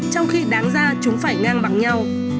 trong khi đáng ra chúng phải ngang bằng nhau